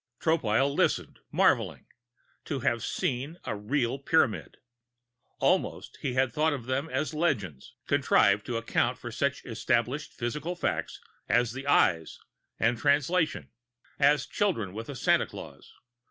Tropile listened, marveling. To have seen a real Pyramid! Almost he had thought of them as legends, contrived to account for such established physical facts as the Eyes and Translation, as children with a Santa Claus.